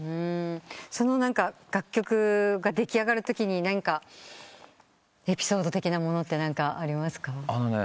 その楽曲が出来上がるときにエピソード的なものって何かありますか？